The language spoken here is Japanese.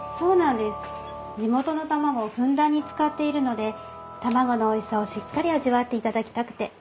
地元の卵をふんだんに使っているので卵のおいしさをしっかり味わっていただきたくて。